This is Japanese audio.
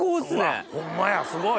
うわっホンマやすごい！